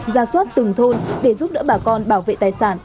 ra soát từng thôn để giúp đỡ bà con bảo vệ tài sản